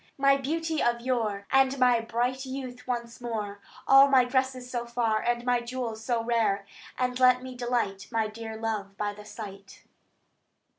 My beauty of yore; And my bright youth once more; All my dresses so fair; And my jewels so rare; And let me delight My dear love by the sight."